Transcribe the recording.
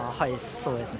そうですね。